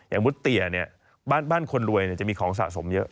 อย่างพูดเตี๋ยเนี่ยบ้านคนรวยเนี่ยจะมีของสะสมเยอะ